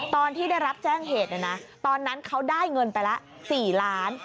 ตอนที่ได้รับแจ้งเหตุตอนนั้นเขาได้เงินไปละ๔ล้าน